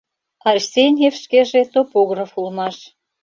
Арсеньев шкеже топограф улмаш.